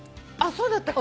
そうだったっけ？